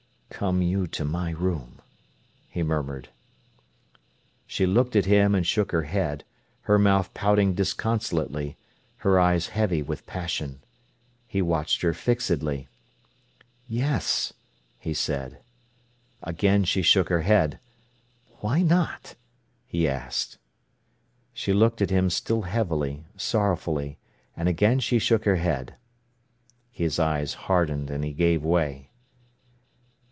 "Come you to my room," he murmured. She looked at him and shook her head, her mouth pouting disconsolately, her eyes heavy with passion. He watched her fixedly. "Yes!" he said. Again she shook her head. "Why not?" he asked. She looked at him still heavily, sorrowfully, and again she shook her head. His eyes hardened, and he gave way.